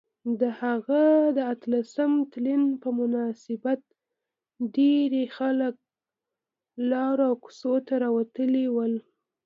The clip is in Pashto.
د هغه اتلسم تلین په مناسبت ډیرۍ خلک لارو او کوڅو ته راوتلي ول